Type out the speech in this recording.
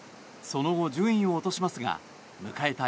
その後、順位を落としますが迎えた